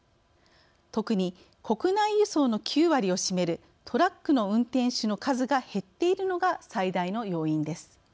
特に国内輸送の９割を占めるトラックの運転手の数が減っているのが最大の要因です。